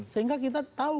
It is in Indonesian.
sehingga kita tahu